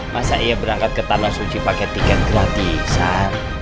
masa ia berangkat ke tanah suci pakai tiket gratisan